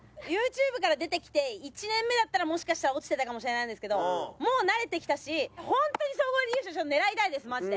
ＹｏｕＴｕｂｅから出てきて１年目だったらもしかしたら落ちてたかもしれないんですけどもう慣れてきたし本当に総合優勝狙いたいですマジで。